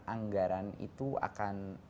anggaran itu akan